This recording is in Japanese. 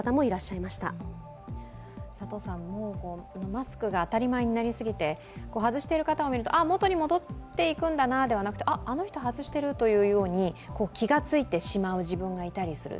マスクが当たり前になりすぎて、外している方を見ると元に戻っていくんだなではなくてあの人、外してるというように気がついてしまう自分がいたりする。